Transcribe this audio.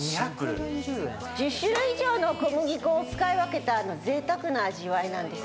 １０種類以上の小麦粉を使い分けた贅沢な味わいなんです。